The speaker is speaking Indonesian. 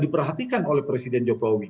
diperhatikan oleh presiden jokowi